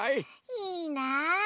いいな！